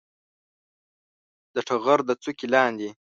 د ټغر د څوکې لاندې